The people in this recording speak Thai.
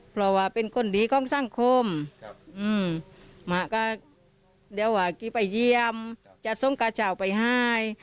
เพราะว่าเป็นคนดีของสังคมหมาก็เดี๋ยวว่ากีไปเยี่ยมจะส่งกระเช้าไปให้